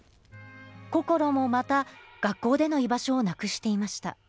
こころもまた学校での居場所をなくしていました